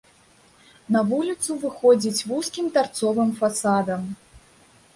На вуліцу выходзіць вузкім тарцовым фасадам.